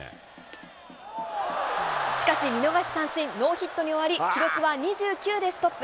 しかし、見逃し三振、ノーヒットに終わり、記録は２９でストップ。